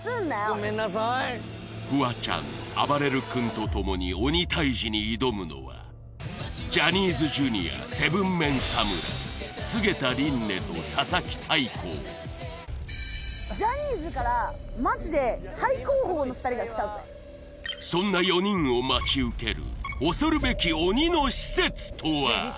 ごめんなさいフワちゃんあばれる君とともに鬼タイジに挑むのはジャニーズＪｒ．ジャニーズからマジで最高峰の２人が来たぜそんな４人を待ち受ける恐るべき鬼の施設とはねえ